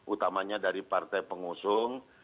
utamanya dari partai pengusung